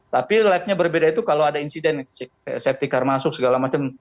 tapi labnya berbeda itu kalau ada insiden safety car masuk segala macam